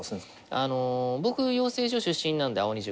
あの僕養成所出身なんで青二塾。